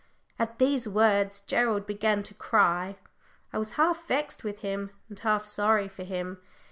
At these words Gerald began to cry. I was half vexed with him, and half sorry for him.